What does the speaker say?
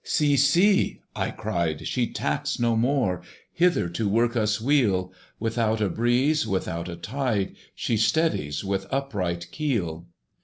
See! see! (I cried) she tacks no more! Hither to work us weal; Without a breeze, without a tide, She steadies with upright keel!